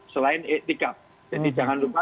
selain iktikaf jadi jangan lupa